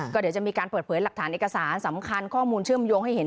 ก็เดี๋ยวจะมีการเปิดเผยหลักฐานเอกสารสำคัญข้อมูลเชื่อมโยงให้เห็น